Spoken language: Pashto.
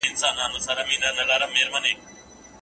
خالق مې د ژوند ټوله عبادت خاورې ايرې کړ